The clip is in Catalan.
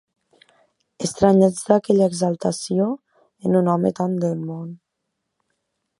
Estranyats d'aquella exaltació en un home tan de món